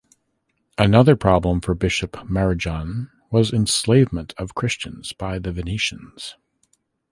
Another problem for Bishop Marijan was enslavement of Christians by the Venetians.